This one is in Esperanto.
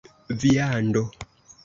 viando